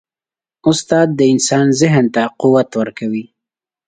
استاد د انسان ذهن ته قوت ورکوي.